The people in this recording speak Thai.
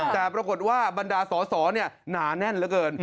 แต่ปรากฏว่าบรรดาสอสอหนาแน่นเหลือเกิน